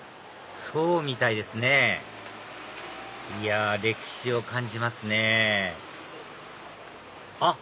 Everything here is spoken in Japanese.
そうみたいですねいや歴史を感じますねあっ